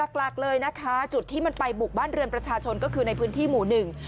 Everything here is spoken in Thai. หลักเลยนะคะจุดที่มันไปบุกบ้านเรือนประชาชนก็คือในพื้นที่หมู่หนึ่ง